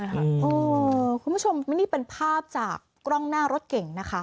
คุณผู้ชมนี่เป็นภาพจากกล้องหน้ารถเก่งนะคะ